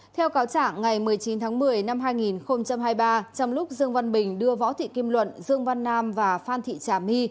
theo cáo trả ngày một mươi chín tháng một mươi năm hai nghìn hai mươi ba trong lúc dương văn bình đưa võ thị kim luận dương văn nam và phan thị trà my